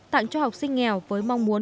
tặng cho học sinh nghèo với mong muốn